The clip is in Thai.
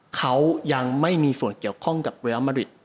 เขายังไม่มีส่วนเกี่ยวข้องกับเรียลมาริด